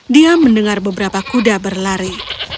dia mendengar beberapa kuda berlari